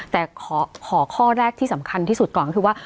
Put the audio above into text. แต่ขอข้อแรกที่สำคัญที่สุดก่อนก็คือว่า